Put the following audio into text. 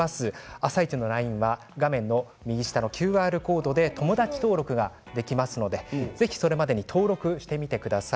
「あさイチ」のＬＩＮＥは画面の右下のＱＲコードでお友達登録ができますのでぜひそれまでに登録してみてください。